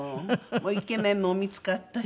もうイケメンも見付かったし。